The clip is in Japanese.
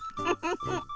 フフフフ。